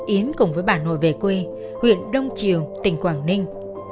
yến cùng với bà nội về quê huyện đông triều tỉnh quảng ninh